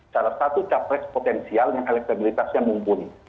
salah satu capres potensial yang elektabilitasnya mumpuni